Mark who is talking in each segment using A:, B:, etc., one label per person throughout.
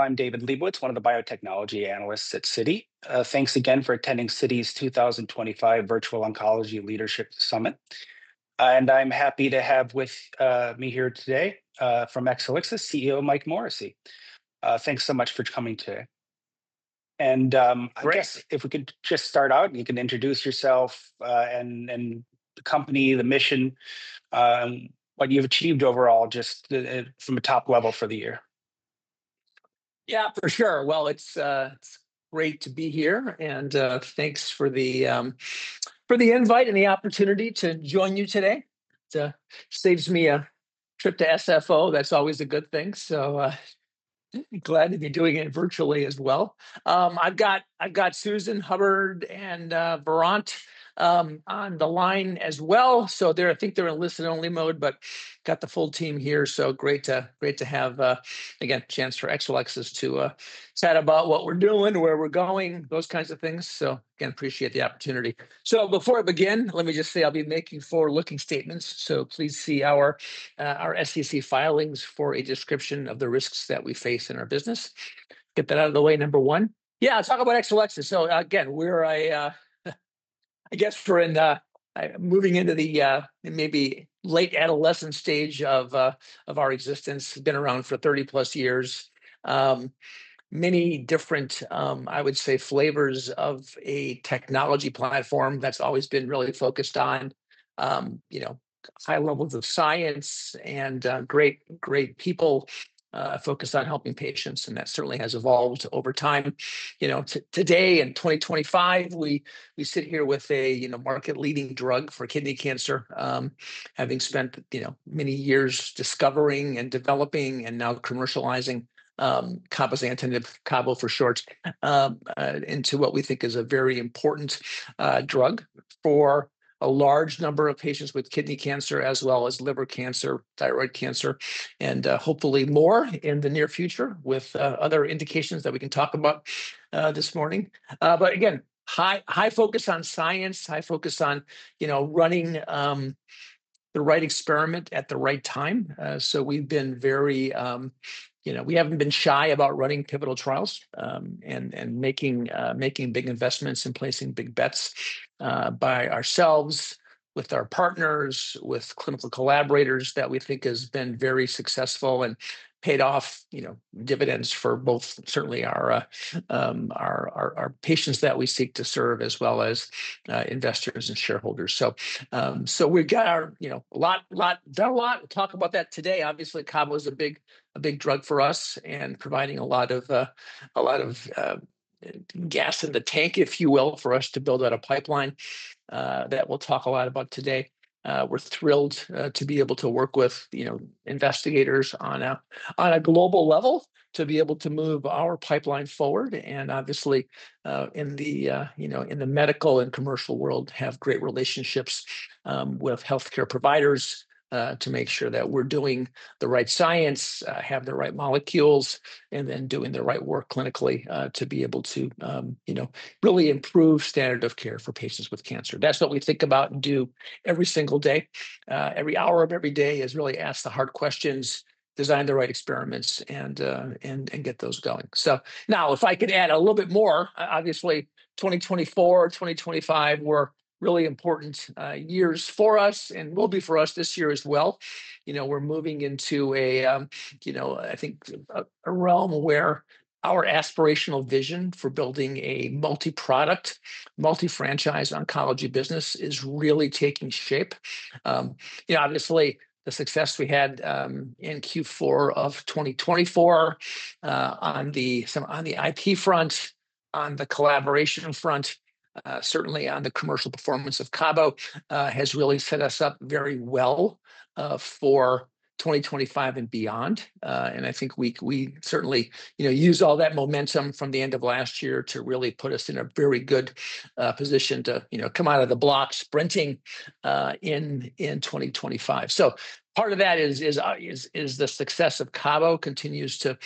A: I'm David Lebowitz, one of the biotechnology analysts at Citi. Thanks again for attending Citi's 2025 Virtual Oncology Leadership Summit, and I'm happy to have with me here today from Exelixis, CEO Mike Morrissey. Thanks so much for coming today, and I guess if we could just start out, you can introduce yourself and the company, the mission, what you've achieved overall just from a top level for the year.
B: Yeah, for sure. Well, it's great to be here. And thanks for the invite and the opportunity to join you today. It saves me a trip to SFO. That's always a good thing. So glad to be doing it virtually as well. I've got Susan Hubbard and Varant on the line as well. So I think they're in listen-only mode, but got the full team here. So great to have, again, a chance for Exelixis to chat about what we're doing, where we're going, those kinds of things. So again, appreciate the opportunity. So before I begin, let me just say I'll be making forward-looking statements. So please see our SEC filings for a description of the risks that we face in our business. Get that out of the way, number one. Yeah, talk about Exelixis. So again, I guess we're moving into the maybe late adolescent stage of our existence. It's been around for 30+ years. Many different, I would say, flavors of a technology platform that's always been really focused on high levels of science and great people focused on helping patients. And that certainly has evolved over time. Today in 2025, we sit here with a market-leading drug for kidney cancer, having spent many years discovering and developing and now commercializing cabozantinib, cabo for short, into what we think is a very important drug for a large number of patients with kidney cancer, as well as liver cancer, thyroid cancer, and hopefully more in the near future with other indications that we can talk about this morning. But again, high focus on science, high focus on running the right experiment at the right time. So we've been very. We haven't been shy about running pivotal trials and making big investments and placing big bets by ourselves with our partners, with clinical collaborators that we think has been very successful and paid off dividends for both certainly our patients that we seek to serve as well as investors and shareholders. So we've got a lot, done a lot. We'll talk about that today. Obviously, cabo is a big drug for us and providing a lot of gas in the tank, if you will, for us to build out a pipeline that we'll talk a lot about today. We're thrilled to be able to work with investigators on a global level to be able to move our pipeline forward. And obviously, in the medical and commercial world, have great relationships with healthcare providers to make sure that we're doing the right science, have the right molecules, and then doing the right work clinically to be able to really improve standard of care for patients with cancer. That's what we think about and do every single day. Every hour of every day is really ask the hard questions, design the right experiments, and get those going. So now, if I could add a little bit more, obviously, 2024, 2025 were really important years for us and will be for us this year as well. We're moving into a, I think, a realm where our aspirational vision for building a multi-product, multi-franchise oncology business is really taking shape. Obviously, the success we had in Q4 of 2024 on the IP front, on the collaboration front, certainly on the commercial performance of cabo has really set us up very well for 2025 and beyond. And I think we certainly use all that momentum from the end of last year to really put us in a very good position to come out of the block sprinting in 2025. So part of that is the success of cabo continues to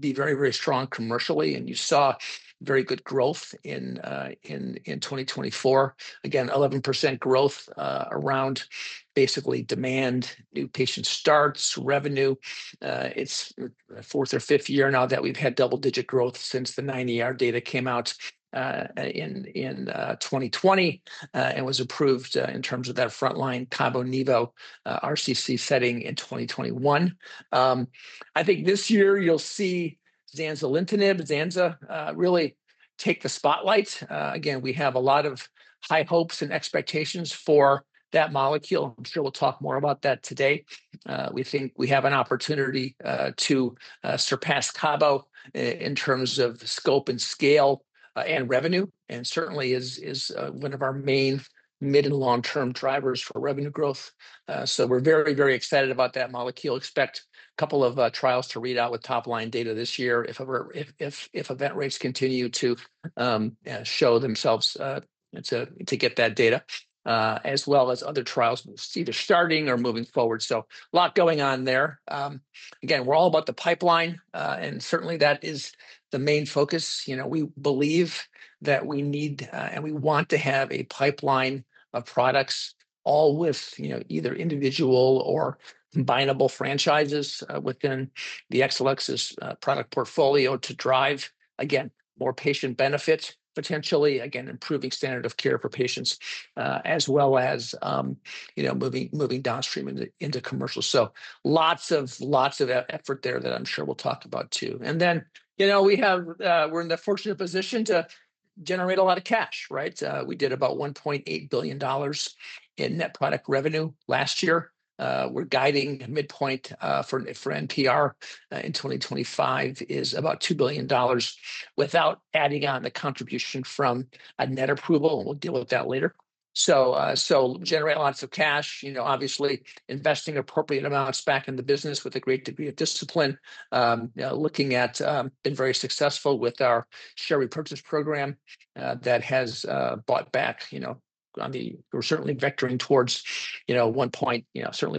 B: be very, very strong commercially. And you saw very good growth in 2024. Again, 11% growth around basically demand, new patient starts, revenue. It's fourth or fifth year now that we've had double-digit growth since the 9ER data came out in 2020 and was approved in terms of that frontline cabo/nivo RCC setting in 2021. I think this year you'll see zanzalintinib, zanza, really take the spotlight. Again, we have a lot of high hopes and expectations for that molecule. I'm sure we'll talk more about that today. We think we have an opportunity to surpass cabo in terms of scope and scale and revenue, and certainly is one of our main mid and long-term drivers for revenue growth. So we're very, very excited about that molecule. Expect a couple of trials to read out with top-line data this year if event rates continue to show themselves to get that data, as well as other trials either starting or moving forward. So a lot going on there. Again, we're all about the pipeline, and certainly that is the main focus. We believe that we need and we want to have a pipeline of products all with either individual or combineable franchises within the Exelixis product portfolio to drive, again, more patient benefits potentially, again, improving standard of care for patients, as well as moving downstream into commercial. So lots of effort there that I'm sure we'll talk about too. And then we're in the fortunate position to generate a lot of cash, right? We did about $1.8 billion in net product revenue last year. We're guiding midpoint for NPR in 2025 is about $2 billion without adding on the contribution from a net approval. We'll deal with that later. So generate lots of cash, obviously investing appropriate amounts back in the business with a great degree of discipline. We've been very successful with our share repurchase program that has bought back. We're certainly vectoring towards certainly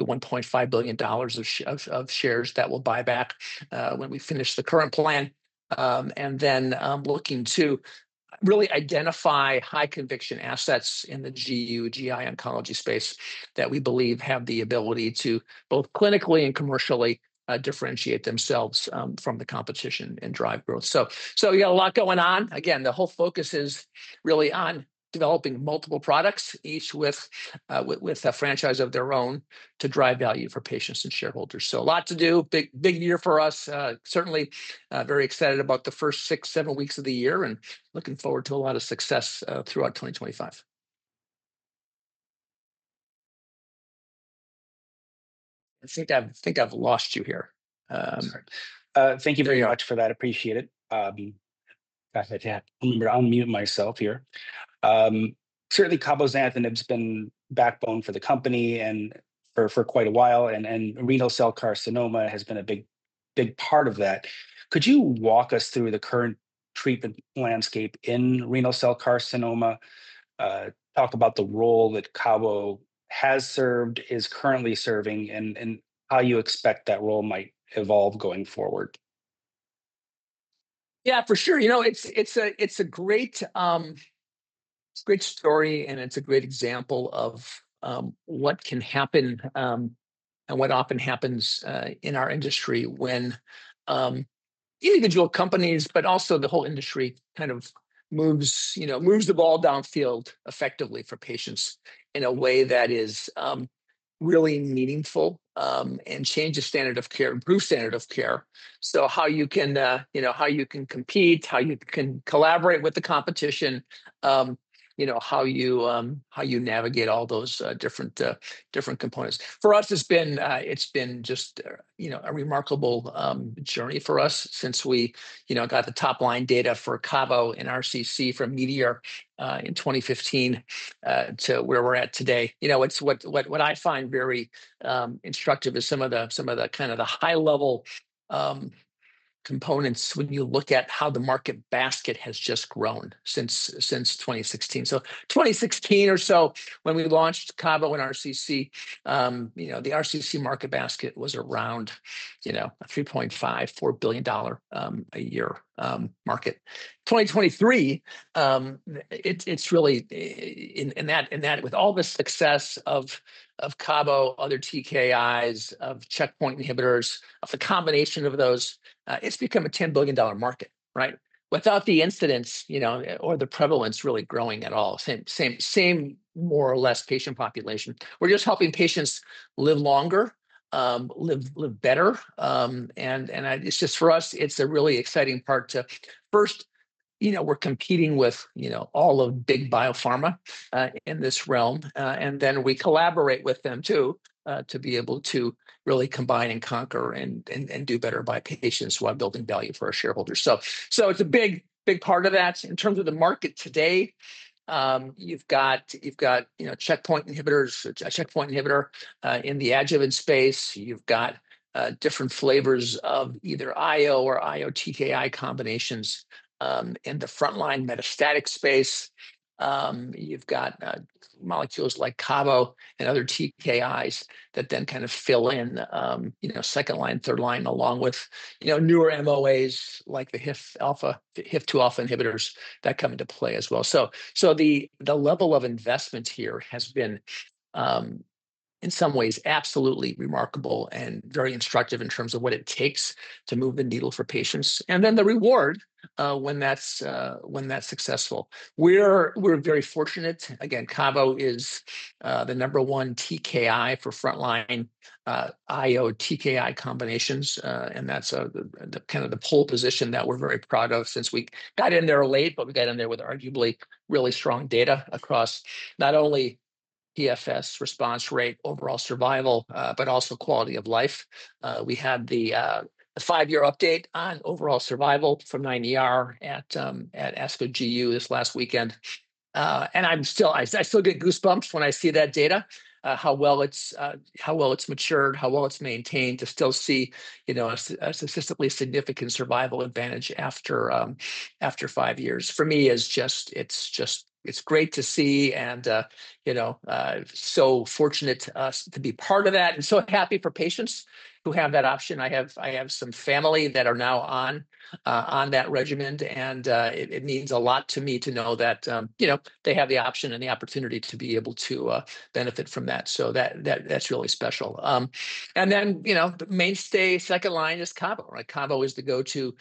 B: $1.5 billion of shares that we'll buy back when we finish the current plan, and then looking to really identify high conviction assets in the GU, GI oncology space that we believe have the ability to both clinically and commercially differentiate themselves from the competition and drive growth, so we got a lot going on. Again, the whole focus is really on developing multiple products, each with a franchise of their own to drive value for patients and shareholders, so a lot to do, big year for us. Certainly very excited about the first six, seven weeks of the year and looking forward to a lot of success throughout 2025. I think I've lost you here.
A: Thank you very much for that. Appreciate it. I'll mute myself here. Certainly, cabozantinib has been backbone for the company for quite a while, and renal cell carcinoma has been a big part of that. Could you walk us through the current treatment landscape in renal cell carcinoma? Talk about the role that cabo has served, is currently serving, and how you expect that role might evolve going forward.
B: Yeah. For sure. It's a great story and it's a great example of what can happen and what often happens in our industry when individual companies, but also the whole industry kind of moves the ball downfield effectively for patients in a way that is really meaningful and changes standard of care, improves standard of care. So how you can compete, how you can collaborate with the competition, how you navigate all those different components. For us, it's been just a remarkable journey for us since we got the top-line data for cabo and RCC from METEOR in 2015 to where we're at today. What I find very instructive is some of the kind of high-level components when you look at how the market basket has just grown since 2016. So 2016 or so when we launched cabo and RCC, the RCC market basket was around $3.5 billion-$4 billion a year market. 2023, it's really, with all the success of cabo, other TKIs, of checkpoint inhibitors, of the combination of those, it's become a $10 billion market, right? Without the incidence or the prevalence really growing at all, same more or less patient population. We're just helping patients live longer, live better. It's just for us, it's a really exciting part to first, we're competing with all of big biopharma in this realm. And then we collaborate with them too to be able to really combine and conquer and do better by patients while building value for our shareholders. So it's a big part of that. In terms of the market today, you've got checkpoint inhibitors, a checkpoint inhibitor in the adjuvant space. You've got different flavors of either IO or IO/TKI combinations in the frontline metastatic space. You've got molecules like cabo and other TKIs that then kind of fill in second line, third line along with newer MOAs like the HIF-2 alpha inhibitors that come into play as well. So the level of investment here has been in some ways absolutely remarkable and very instructive in terms of what it takes to move the needle for patients and then the reward when that's successful. We're very fortunate. Again, cabo is the number one TKI for frontline IO/TKI combinations. That's kind of the pole position that we're very proud of since we got in there late, but we got in there with arguably really strong data across not only PFS response rate, overall survival, but also quality of life. We had the five-year update on overall survival from 9ER at ASCO GU this last weekend. I still get goosebumps when I see that data, how well it's matured, how well it's maintained to still see a statistically significant survival advantage after five years. For me, it's just great to see and so fortunate to be part of that and so happy for patients who have that option. I have some family that are now on that regimen. It means a lot to me to know that they have the option and the opportunity to be able to benefit from that. That's really special. Then the mainstay second line is cabo. Cabo is the go-to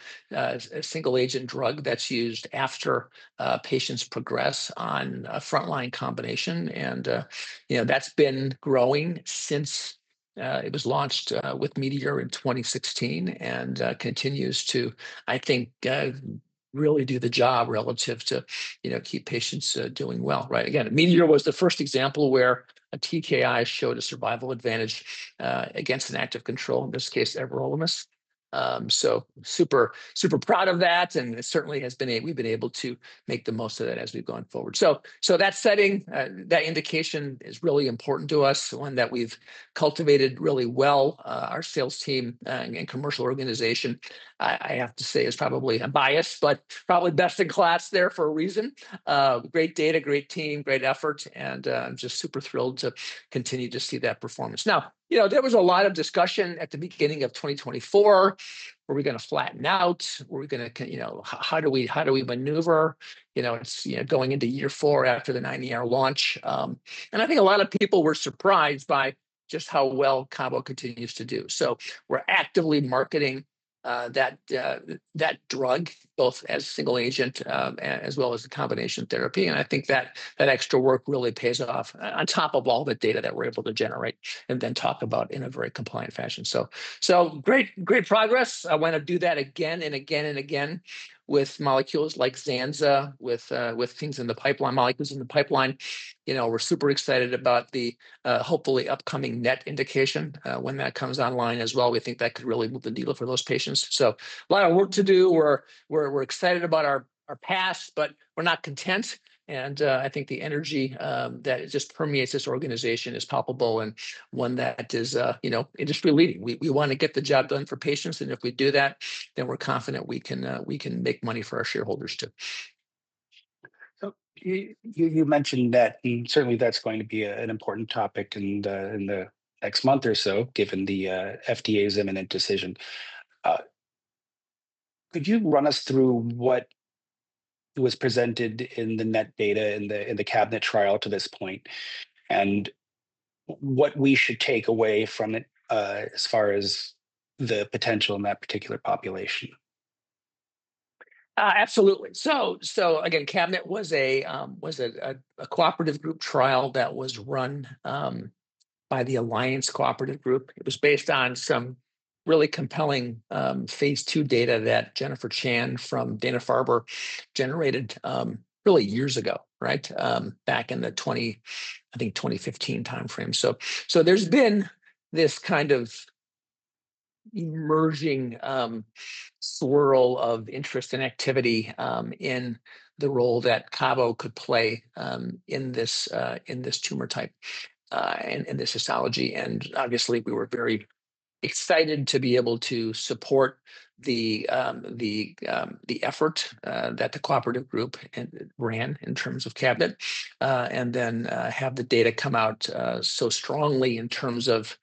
B: single-agent drug that's used after patients progress on a frontline combination. That's been growing since it was launched with METEOR in 2016 and continues to, I think, really do the job relative to keep patients doing well, right? Again, METEOR was the first example where a TKI showed a survival advantage against an active control, in this case, everolimus. Super proud of that. Certainly, we've been able to make the most of that as we've gone forward. That setting, that indication is really important to us, one that we've cultivated really well. Our sales team and commercial organization, I have to say, is probably biased, but probably best in class there for a reason. Great data, great team, great effort. I'm just super thrilled to continue to see that performance. Now, there was a lot of discussion at the beginning of 2024. Were we going to flatten out? Were we going to, how do we maneuver? It's going into year four after the 9ER launch. And I think a lot of people were surprised by just how well cabo continues to do. So we're actively marketing that drug both as single agent as well as a combination therapy. And I think that extra work really pays off on top of all the data that we're able to generate and then talk about in a very compliant fashion. So great progress. I want to do that again and again and again with molecules like zanza, with things in the pipeline, molecules in the pipeline. We're super excited about the hopefully upcoming NET indication when that comes online as well. We think that could really move the needle for those patients. So a lot of work to do. We're excited about our past, but we're not content. And I think the energy that just permeates this organization is palpable and one that is industry-leading. We want to get the job done for patients. And if we do that, then we're confident we can make money for our shareholders too.
A: So you mentioned that certainly that's going to be an important topic in the next month or so given the FDA's imminent decision. Could you run us through what was presented in the NET data in the CABINET trial to this point and what we should take away from it as far as the potential in that particular population?
B: Absolutely. So again, CABINET was a cooperative group trial that was run by the Alliance Cooperative Group. It was based on some really compelling phase II data that Jennifer Chan from Dana-Farber generated really years ago, right? Back in the, I think, 2015 timeframe. So there's been this kind of emerging swirl of interest and activity in the role that cabo could play in this tumor type and this histology. And obviously, we were very excited to be able to support the effort that the cooperative group ran in terms of CABINET and then have the data come out so strongly in terms of the,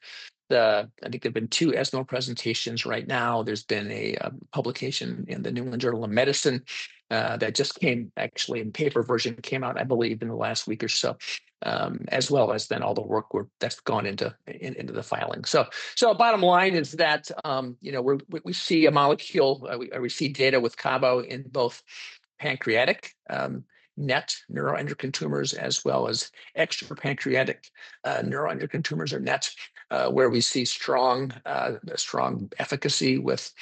B: I think there've been two ESMO presentations right now. There's been a publication in the New England Journal of Medicine that just came actually in paper version came out, I believe, in the last week or so, as well as then all the work that's gone into the filing. Bottom line is that we see a molecule, we see data with cabo in both pancreatic NET neuroendocrine tumors as well as extrapancreatic neuroendocrine tumors or NETs where we see strong efficacy with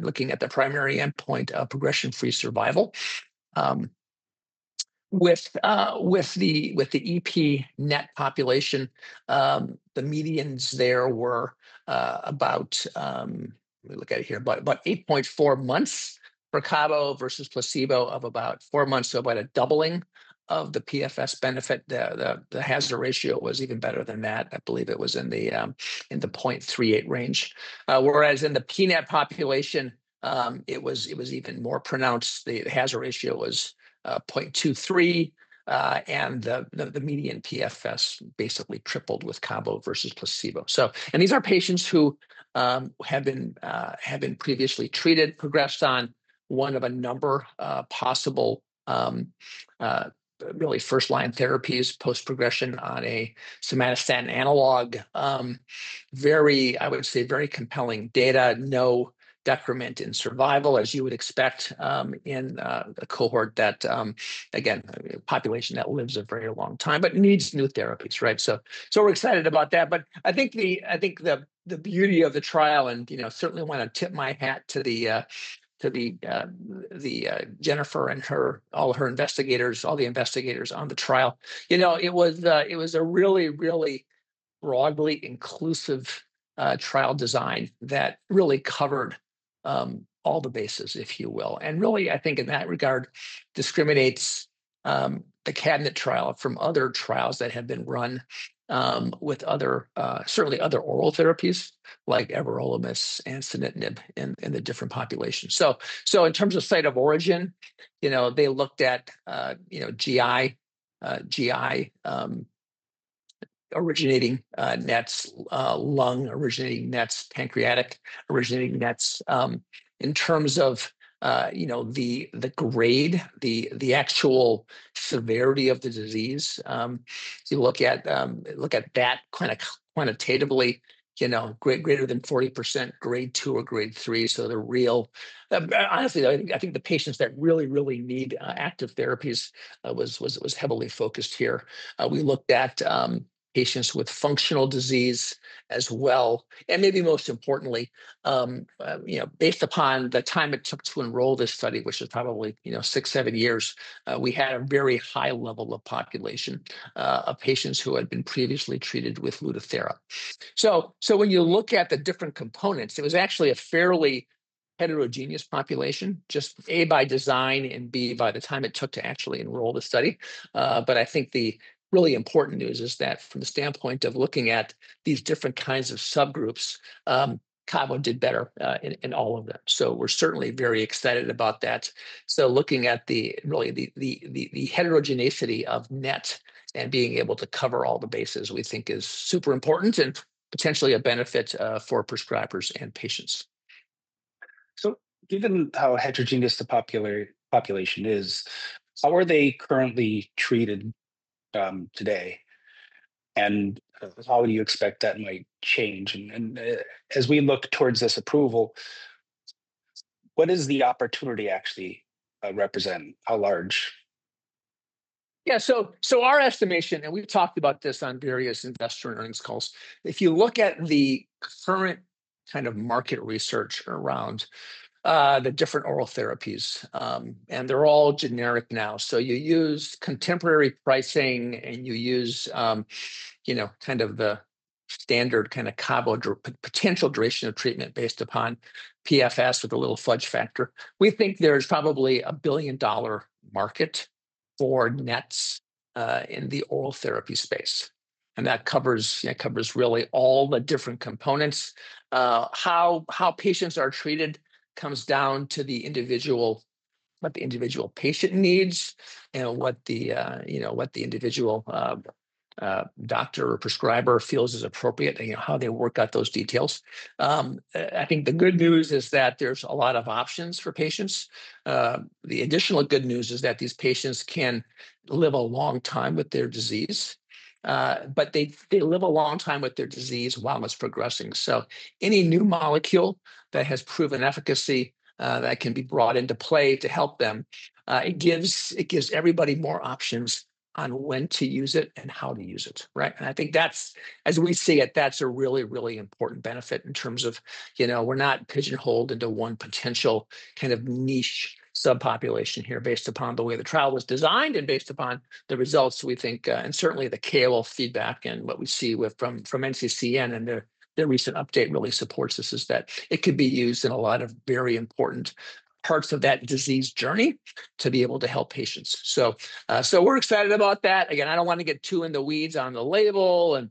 B: looking at the primary endpoint of progression-free survival. With the epNET population, the medians there were about, let me look at it here, about 8.4 months for cabo versus placebo of about four months, so about a doubling of the PFS benefit. The hazard ratio was even better than that. I believe it was in the 0.38 range. Whereas in the pNET population, it was even more pronounced. The hazard ratio was 0.23, and the median PFS basically tripled with cabo versus placebo, and these are patients who have been previously treated, progressed on one of a number of possible really first-line therapies post-progression on a somatostatin analog, very, I would say, very compelling data, no decrement in survival as you would expect in a cohort that, again, population that lives a very long time, but needs new therapies, right, so we're excited about that, but I think the beauty of the trial and certainly want to tip my hat to Jennifer and all her investigators, all the investigators on the trial. It was a really, really broadly inclusive trial design that really covered all the bases, if you will. And really, I think in that regard, discriminates the CABINET trial from other trials that have been run with certainly other oral therapies like everolimus and sunitinib in the different populations. So in terms of site of origin, they looked at GI originating nets, lung originating nets, pancreatic originating nets. In terms of the grade, the actual severity of the disease, if you look at that quantitatively, greater than 40% grade two or grade three. So the real, honestly, I think the patients that really, really need active therapies was heavily focused here. We looked at patients with functional disease as well. And maybe most importantly, based upon the time it took to enroll this study, which is probably six, seven years, we had a very high level of population of patients who had been previously treated with LUTATHERA. So when you look at the different components, it was actually a fairly heterogeneous population, just A by design and B by the time it took to actually enroll the study. But I think the really important news is that from the standpoint of looking at these different kinds of subgroups, cabo did better in all of them. So we're certainly very excited about that. So looking at really the heterogeneity of NET and being able to cover all the bases, we think is super important and potentially a benefit for prescribers and patients.
A: So given how heterogeneous the population is, how are they currently treated today? And how would you expect that might change? And as we look towards this approval, what does the opportunity actually represent? How large?
B: Yeah. So our estimation, and we've talked about this on various investor earnings calls. If you look at the current kind of market research around the different oral therapies, and they're all generic now. You use contemporary pricing and you use kind of the standard kind of cabo potential duration of treatment based upon PFS with a little fudge factor. We think there's probably a $1 billion market for NETs in the oral therapy space, and that covers really all the different components. How patients are treated comes down to the individual, what the individual patient needs and what the individual doctor or prescriber feels is appropriate and how they work out those details. I think the good news is that there's a lot of options for patients. The additional good news is that these patients can live a long time with their disease, but they live a long time with their disease while it's progressing. So any new molecule that has proven efficacy that can be brought into play to help them, it gives everybody more options on when to use it and how to use it, right? And I think that's, as we see it, that's a really, really important benefit in terms of we're not pigeonholed into one potential kind of niche subpopulation here based upon the way the trial was designed and based upon the results we think. And certainly the KOL feedback and what we see from NCCN and their recent update really supports this is that it could be used in a lot of very important parts of that disease journey to be able to help patients. So we're excited about that. Again, I don't want to get too in the weeds on the label and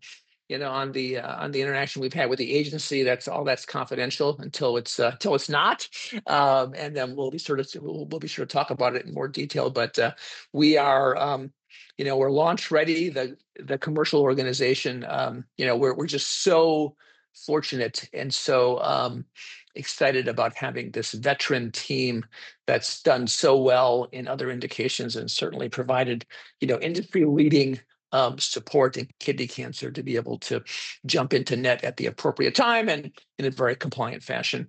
B: on the interaction we've had with the agency. That's all that's confidential until it's not. And then we'll be sure to talk about it in more detail. But we are launch ready. The commercial organization, we're just so fortunate and so excited about having this veteran team that's done so well in other indications and certainly provided industry-leading support in kidney cancer to be able to jump into NET at the appropriate time and in a very compliant fashion,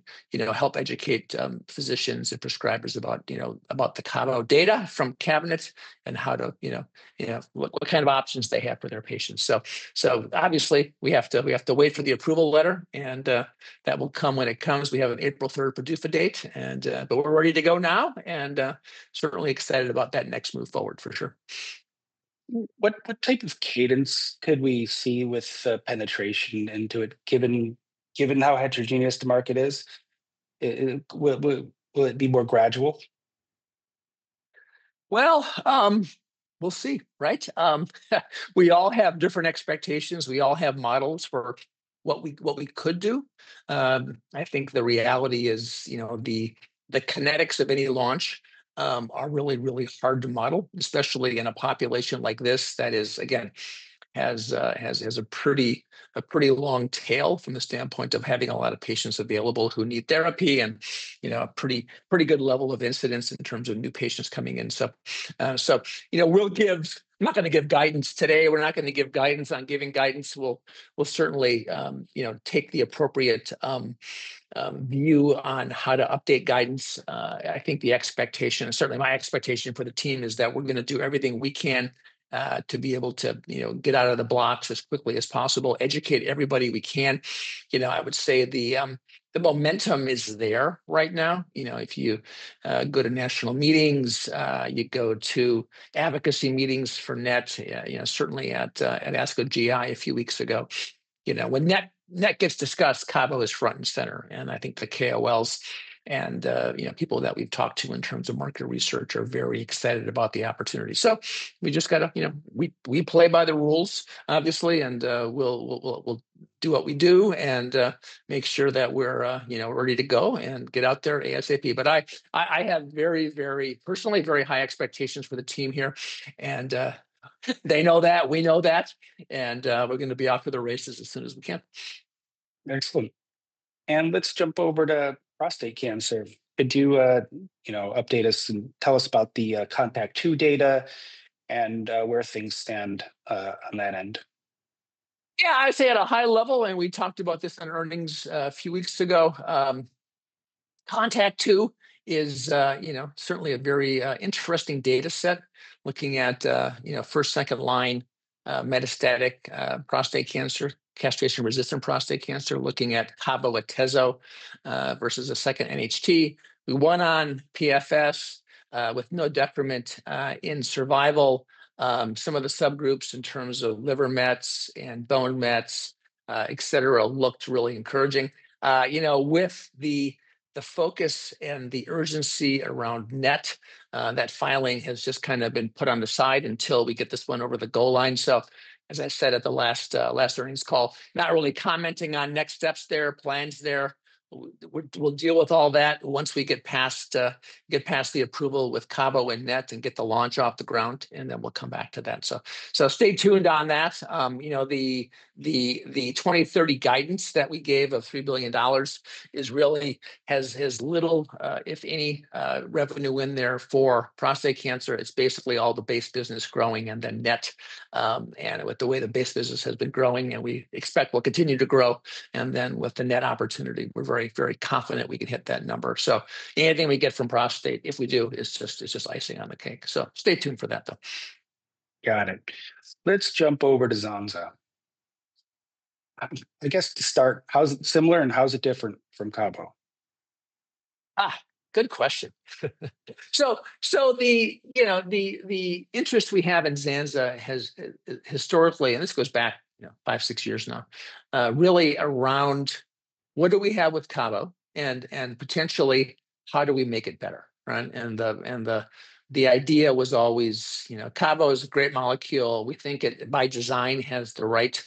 B: help educate physicians and prescribers about the cabo data from CABINET and how to what kind of options they have for their patients. So obviously, we have to wait for the approval letter and that will come when it comes. We have an April 3rd PDUFA date, but we're ready to go now and certainly excited about that next move forward for sure.
A: What type of cadence could we see with penetration into it given how heterogeneous the market is? Will it be more gradual?
B: We'll see, right? We all have different expectations. We all have models for what we could do. I think the reality is the kinetics of any launch are really, really hard to model, especially in a population like this that is, again, has a pretty long tail from the standpoint of having a lot of patients available who need therapy and a pretty good level of incidence in terms of new patients coming in. So, I'm not going to give guidance today. We're not going to give guidance on giving guidance. We'll certainly take the appropriate view on how to update guidance. I think the expectation, certainly my expectation for the team is that we're going to do everything we can to be able to get out of the blocks as quickly as possible, educate everybody we can. I would say the momentum is there right now. If you go to national meetings, you go to advocacy meetings for NET, certainly at ASCO GI a few weeks ago. When NET gets discussed, cabo is front and center. And I think the KOLs and people that we've talked to in terms of market research are very excited about the opportunity. So we just got to, we play by the rules, obviously, and we'll do what we do and make sure that we're ready to go and get out there ASAP. But I have very, very personally, very high expectations for the team here. And they know that. We know that. And we're going to be off to the races as soon as we can.
A: Excellent. And let's jump over to prostate cancer. Could you update us and tell us about the CONTACT-02 data and where things stand on that end?
B: Yeah, I'd say at a high level, and we talked about this in earnings a few weeks ago. CONTACT-02 is certainly a very interesting data set looking at first, second-line metastatic prostate cancer, castration-resistant prostate cancer, looking at cabo/atezo versus a second NHT. We won on PFS with no decrement in survival. Some of the subgroups in terms of liver mets and bone mets, etc., looked really encouraging. With the focus and the urgency around NET, that filing has just kind of been put on the side until we get this one over the goal line. So as I said at the last earnings call, not really commenting on next steps there, plans there. We'll deal with all that once we get past the approval with cabo and NET and get the launch off the ground, and then we'll come back to that. So stay tuned on that. The 2030 guidance that we gave of $3 billion has little, if any, revenue in there for prostate cancer. It's basically all the base business growing and then NET. And with the way the base business has been growing, and we expect will continue to grow. And then with the NET opportunity, we're very, very confident we can hit that number. So anything we get from prostate, if we do, is just icing on the cake. So stay tuned for that, though.
A: Got it. Let's jump over to zanza. I guess to start, how's it similar and how's it different from cabo?
B: Good question. So the interest we have in zanza has historically, and this goes back five, six years now, really around what do we have with cabo and potentially how do we make it better, right? And the idea was always cabo is a great molecule. We think it by design has the right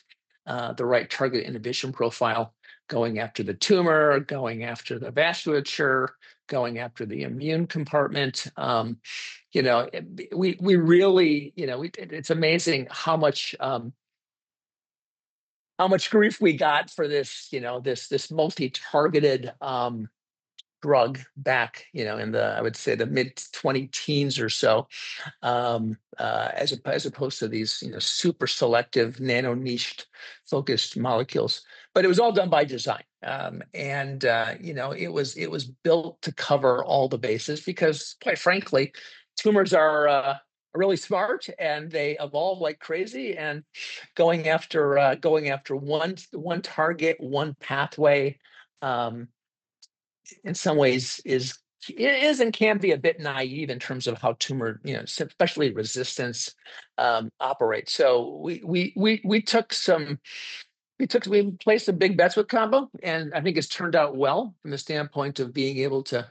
B: target inhibition profile going after the tumor, going after the vasculature, going after the immune compartment. We really, it's amazing how much grief we got for this multi-targeted drug back in the, I would say, the mid-20 teens or so, as opposed to these super selective nano-niched focused molecules. But it was all done by design. And it was built to cover all the bases because quite frankly, tumors are really smart and they evolve like crazy. And going after one target, one pathway in some ways is and can be a bit naive in terms of how tumor, especially resistance, operates. So we placed some big bets with cabo, and I think it's turned out well from the standpoint of being able to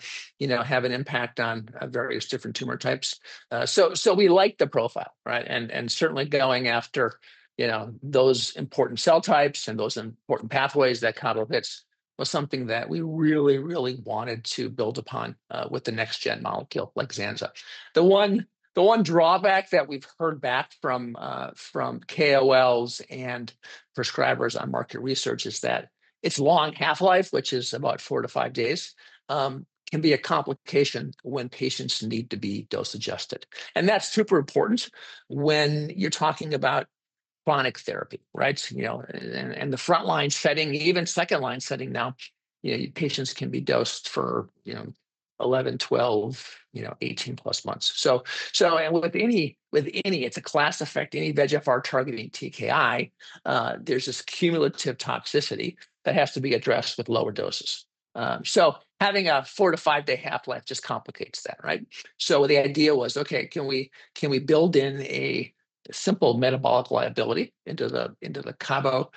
B: have an impact on various different tumor types. So we liked the profile, right? And certainly going after those important cell types and those important pathways that cabo hits was something that we really, really wanted to build upon with the next-gen molecule like zanza. The one drawback that we've heard back from KOLs and prescribers on market research is that its long half-life, which is about four-to-five days, can be a complication when patients need to be dose-adjusted. And that's super important when you're talking about chronic therapy, right? And the frontline setting, even second-line setting now, patients can be dosed for 11, 12, 18+ months. And with any, it's a class effect. Any VEGFR targeting TKI, there's this cumulative toxicity that has to be addressed with lower doses. So having a four- to five-day half-life just complicates that, right? So the idea was, okay, can we build in a simple metabolic liability into the cabo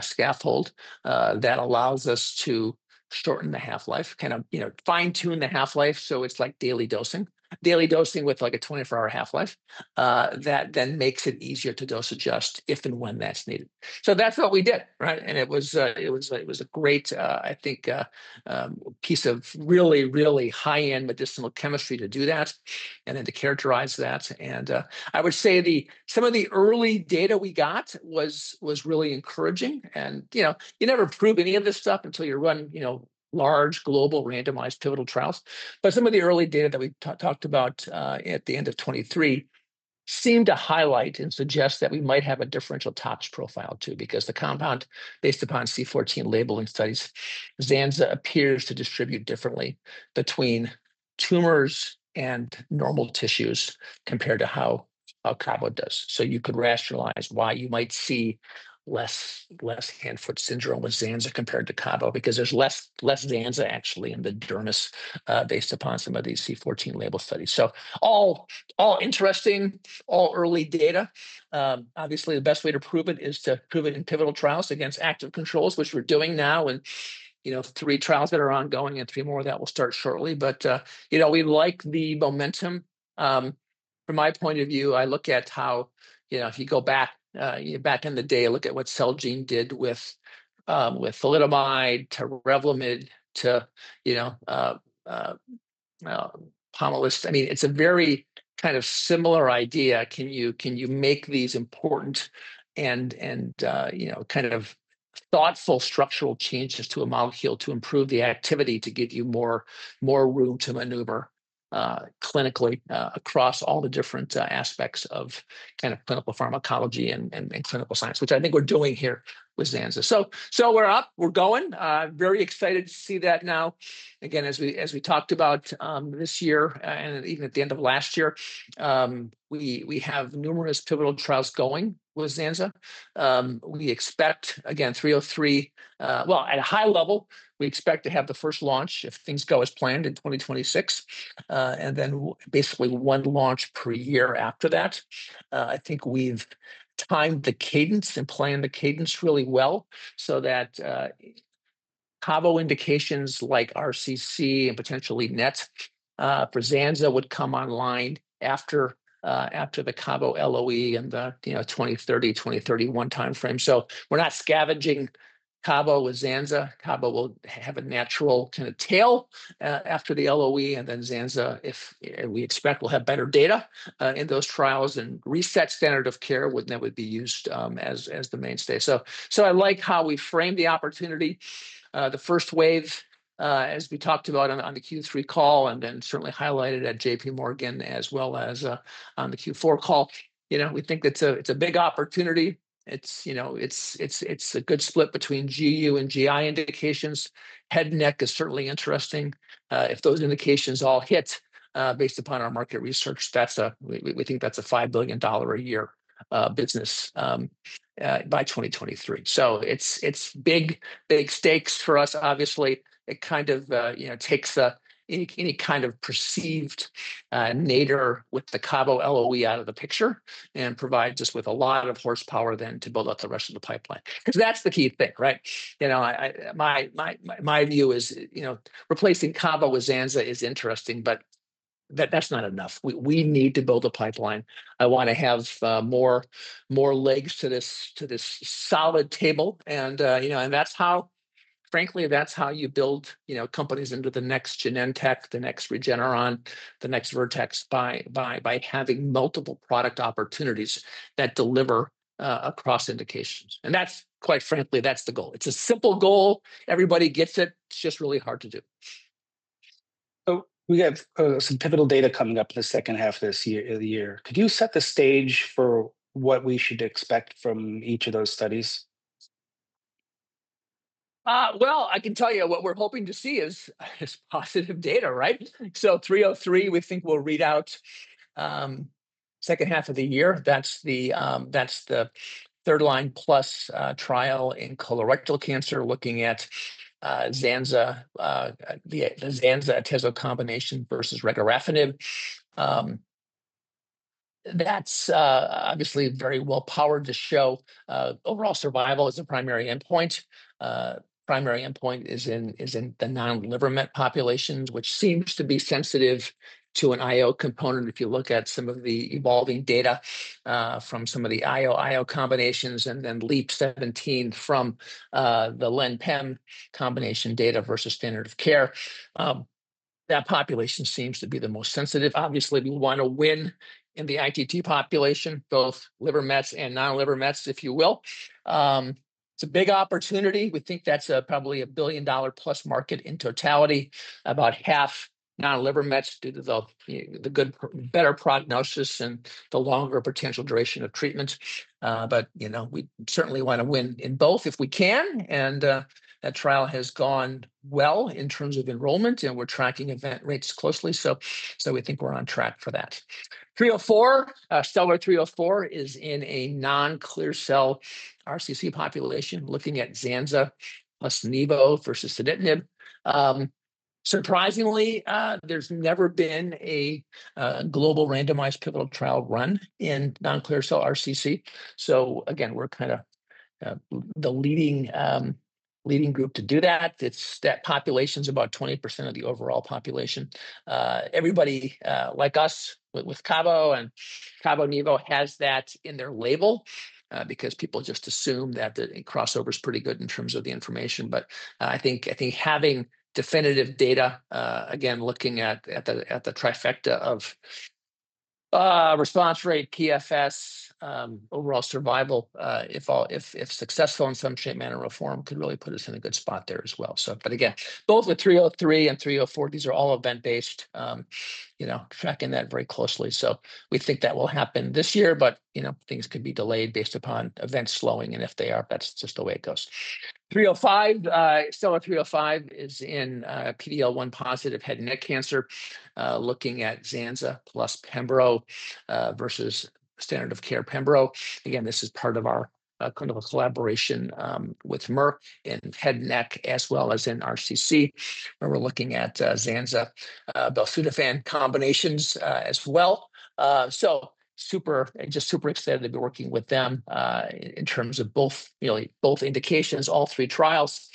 B: scaffold that allows us to shorten the half-life, kind of fine-tune the half-life so it's like daily dosing, daily dosing with like a 24-hour half-life that then makes it easier to dose-adjust if and when that's needed. So that's what we did, right? And it was a great, I think, piece of really, really high-end medicinal chemistry to do that and then to characterize that. And I would say some of the early data we got was really encouraging. You never prove any of this stuff until you run large, global, randomized pivotal trials. Some of the early data that we talked about at the end of 2023 seemed to highlight and suggest that we might have a differential tox profile too because the compound based upon C14 labeling studies, zanza appears to distribute differently between tumors and normal tissues compared to how cabo does. You could rationalize why you might see less hand-foot syndrome with zanza compared to cabo because there's less zanza actually in the dermis based upon some of these C14 label studies. All interesting, all early data. Obviously, the best way to prove it is to prove it in pivotal trials against active controls, which we're doing now and three trials that are ongoing and three more that will start shortly. We like the momentum. From my point of view, I look at how if you go back in the day, look at what Celgene did with thalidomide to REVLIMID to POMALYST. I mean, it's a very kind of similar idea. Can you make these important and kind of thoughtful structural changes to a molecule to improve the activity to give you more room to maneuver clinically across all the different aspects of kind of clinical pharmacology and clinical science, which I think we're doing here with zanza. So we're up. We're going. Very excited to see that now. Again, as we talked about this year and even at the end of last year, we have numerous pivotal trials going with zanza. We expect, again, 303, well, at a high level, we expect to have the first launch if things go as planned in 2026. And then basically one launch per year after that. I think we've timed the cadence and planned the cadence really well so that cabo indications like RCC and potentially NET for zanza would come online after the cabo LOE and the 2030, 2031 timeframe. So we're not scavenging cabo with zanza. Cabo will have a natural kind of tail after the LOE. And then zanza, we expect we'll have better data in those trials and reset standard of care that would be used as the mainstay. So I like how we framed the opportunity. The first wave, as we talked about on the Q3 call and then certainly highlighted at JPMorgan as well as on the Q4 call, we think it's a big opportunity. It's a good split between GU and GI indications. Head and neck is certainly interesting. If those indications all hit based upon our market research, we think that's a $5 billion a year business by 2023. So it's big, big stakes for us, obviously. It kind of takes any kind of perceived nadir with the cabo LOE out of the picture and provides us with a lot of horsepower then to build up the rest of the pipeline. Because that's the key thing, right? My view is replacing cabo with zanza is interesting, but that's not enough. We need to build a pipeline. I want to have more legs to this solid table. And that's how, frankly, that's how you build companies into the next Genentech, the next Regeneron, the next Vertex by having multiple product opportunities that deliver across indications. And quite frankly, that's the goal. It's a simple goal. Everybody gets it. It's just really hard to do.
A: So we have some pivotal data coming up in the second half of this year. Could you set the stage for what we should expect from each of those studies?
B: I can tell you what we're hoping to see is positive data, right? 303, we think we'll read out second half of the year. That's the third-line plus trial in colorectal cancer looking at zanza, the zanza/atezo combination versus regorafenib. That's obviously very well-powered to show overall survival as a primary endpoint. Primary endpoint is in the non-liver met populations, which seems to be sensitive to an IO component if you look at some of the evolving data from some of the IO-IO combinations and then LEAP-17 from the len/pem combination data versus standard of care. That population seems to be the most sensitive. Obviously, we want to win in the ITT population, both liver mets and non-liver mets, if you will. It's a big opportunity. We think that's probably a $1 billion-plus market in totality, about half non-liver mets due to the better prognosis and the longer potential duration of treatment. But we certainly want to win in both if we can. And that trial has gone well in terms of enrollment, and we're tracking event rates closely. So we think we're on track for that. STELLAR-304 is in a non-clear cell RCC population looking at zanza plus nivo versus sunitinib. Surprisingly, there's never been a global randomized pivotal trial run in non-clear cell RCC. So again, we're kind of the leading group to do that. That population is about 20% of the overall population. Everybody like us with cabo and cabo/nivo has that in their label because people just assume that the crossover is pretty good in terms of the information. But I think having definitive data, again, looking at the trifecta of response rate, PFS, overall survival, if successful in some shape, manner, or form, could really put us in a good spot there as well. But again, both with STELLAR-303 and STELLAR-304, these are all event-based, tracking that very closely. So we think that will happen this year, but things could be delayed based upon event slowing. And if they are, that's just the way it goes. STELLAR-305 is in PD-L1-positive head and neck cancer, looking at zanza plus pembro versus standard of care pembro. Again, this is part of our clinical collaboration with Merck in head and neck as well as in RCC. We're looking at zanza-belzutifan combinations as well. So just super excited to be working with them in terms of both indications, all three trials.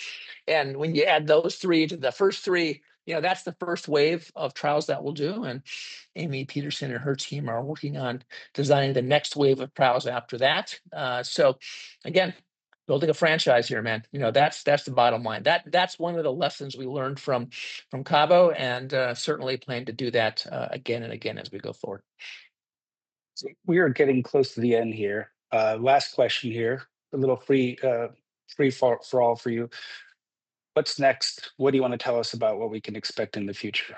B: And when you add those three to the first three, that's the first wave of trials that we'll do. And Amy Peterson and her team are working on designing the next wave of trials after that. So again, building a franchise here, man. That's the bottom line. That's one of the lessons we learned from cabo and certainly plan to do that again and again as we go forward.
A: We are getting close to the end here. Last question here, a little free for all for you. What's next? What do you want to tell us about what we can expect in the future?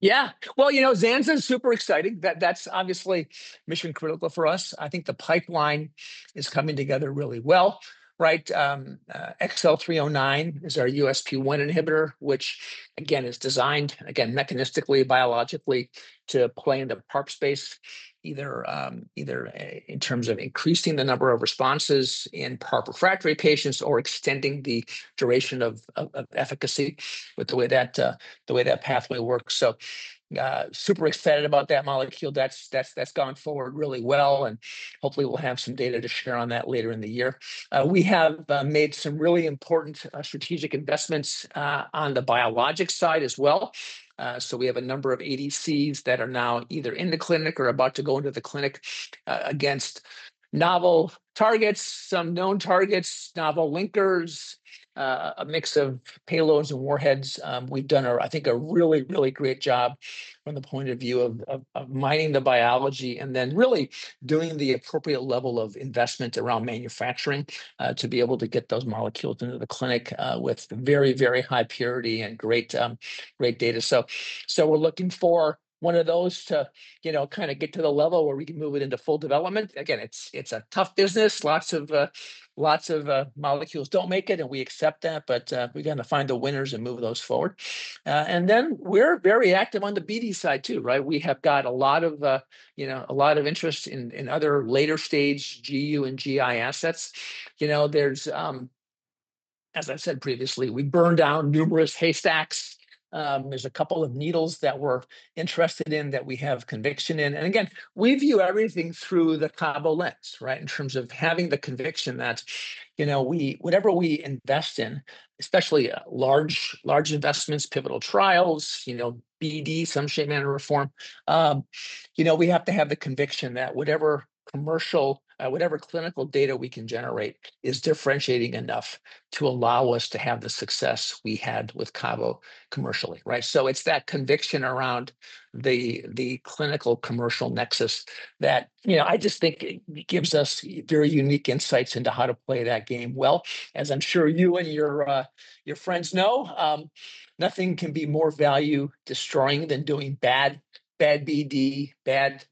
B: Yeah. Well, zanza is super exciting. That's obviously mission-critical for us. I think the pipeline is coming together really well, right? XL309 is our USP1 inhibitor, which again is designed, again, mechanistically, biologically to play in the PARP space, either in terms of increasing the number of responses in PARP refractory patients or extending the duration of efficacy with the way that pathway works. So super excited about that molecule. That's gone forward really well, and hopefully we'll have some data to share on that later in the year. We have made some really important strategic investments on the biologic side as well. So we have a number of ADCs that are now either in the clinic or about to go into the clinic against novel targets, some known targets, novel linkers, a mix of payloads and warheads. We've done, I think, a really, really great job from the point of view of mining the biology and then really doing the appropriate level of investment around manufacturing to be able to get those molecules into the clinic with very, very high purity and great data. So we're looking for one of those to kind of get to the level where we can move it into full development. Again, it's a tough business. Lots of molecules don't make it, and we accept that. But we're going to find the winners and move those forward. And then we're very active on the BD side too, right? We have got a lot of interest in other later-stage GU and GI assets. As I said previously, we burned down numerous haystacks. There's a couple of needles that we're interested in that we have conviction in. And again, we view everything through the cabo lens, right, in terms of having the conviction that whatever we invest in, especially large investments, pivotal trials, BD, some shape, manner, or form, we have to have the conviction that whatever clinical data we can generate is differentiating enough to allow us to have the success we had with cabo commercially, right? So it's that conviction around the clinical commercial nexus that I just think gives us very unique insights into how to play that game well. As I'm sure you and your friends know, nothing can be more value-destroying than doing bad BD, bad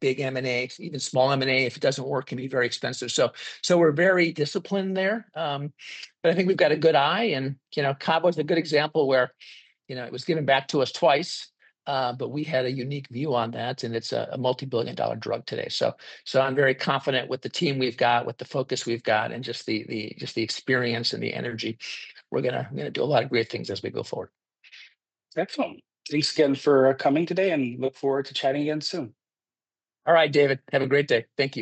B: big M&A, even small M&A. If it doesn't work, it can be very expensive. So we're very disciplined there. But I think we've got a good eye. Cabo is a good example where it was given back to us twice, but we had a unique view on that. It's a multi-billion-dollar drug today. I'm very confident with the team we've got, with the focus we've got, and just the experience and the energy. We're going to do a lot of great things as we go forward.
A: Excellent. Thanks again for coming today, and look forward to chatting again soon.
B: All right, David. Have a great day. Thank you.